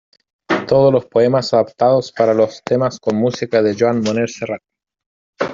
Todos los poemas adaptados para los temas con música de Joan Manuel Serrat.